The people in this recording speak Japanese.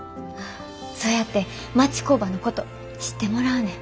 そうやって町工場のこと知ってもらうねん。